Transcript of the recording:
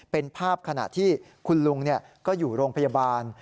เป็นภาพขณะที่คุณลุงก็อยู่โรงพยาบาล